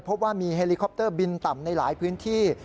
พบว่ามีเฮลิคอปเตอร์บินต่ำในหลายพื้นที่